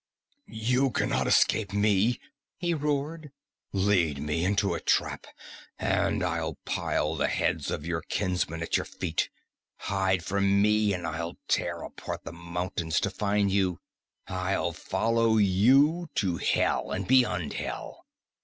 "You can not escape me!" he roared. "Lead me into a trap and I'll pile the heads of your kinsmen at your feet. Hide from me and I'll tear apart the mountains to find you! I'll follow you to hell and beyond hell!"